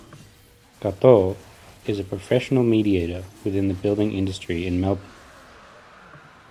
Gatto is a 'professional mediator' within the building industry in Melbourne.